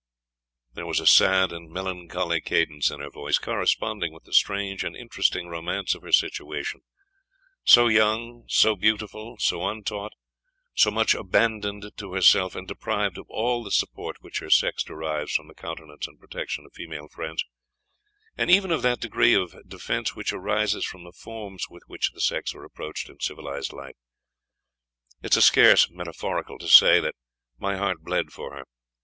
There was a sad and melancholy cadence in her voice, corresponding with the strange and interesting romance of her situation. So young, so beautiful, so untaught, so much abandoned to herself, and deprived of all the support which her sex derives from the countenance and protection of female friends, and even of that degree of defence which arises from the forms with which the sex are approached in civilised life, it is scarce metaphorical to say, that my heart bled for her.